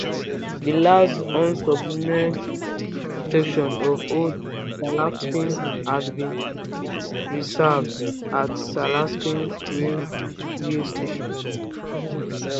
The last unsubmerged sections of old Salaspils have been preserved at Salaspils railway station.